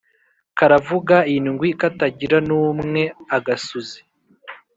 Karavuga indwi katagira n'umwe-Agasuzi.